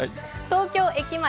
東京駅前。